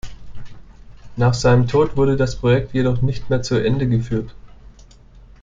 Nach seinem Tod wurde das Projekt jedoch nicht mehr zu Ende geführt.